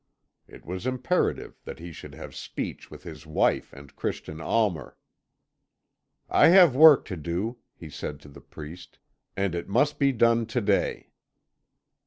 It was imperative that he should have speech with his wife and Christian Almer. "I have work to do," he said to the priest, "and it must be done to day."